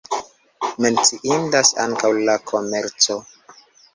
Menciindas ankaŭ la komerco.